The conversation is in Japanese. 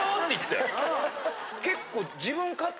結構。